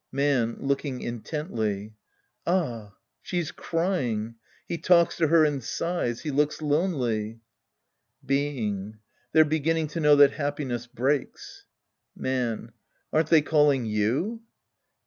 Man {looking intently). Ah, she's crying. He talks to her and sighs. He looks Ip^nely. Being. They're beginning to know that happiness breaks. Man. Aren't they calling you